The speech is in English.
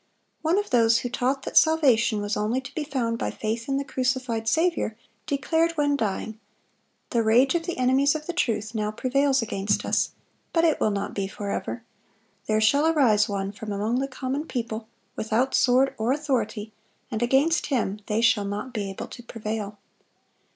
One of those who "taught that salvation was only to be found by faith in the crucified Saviour," declared when dying, "The rage of the enemies of the truth now prevails against us, but it will not be forever; there shall arise one from among the common people, without sword or authority, and against him they shall not be able to prevail."